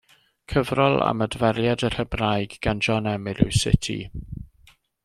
Cyfrol am adferiad yr Hebraeg gan John Emyr yw Sut I.